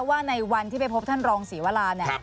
ว่าในวันที่ไปพบท่านรองศรีวราเนี่ย